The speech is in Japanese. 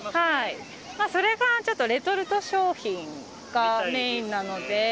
それがちょっと、レトルト商品がメインなので。